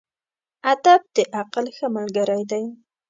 ادب د عقل ښه ملګری دی.